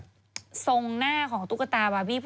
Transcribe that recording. ทรงหน้าของตุ๊กตาบาร์บี้